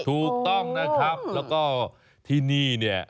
ถูกต้องนะครับแล้วก็ที่นี่เนี่ย